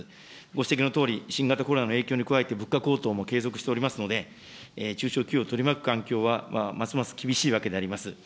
ご指摘のとおり新型コロナの影響に加えて、物価高騰も継続しておりますので、中小企業を取り巻く環境は、ますます厳しいわけであります。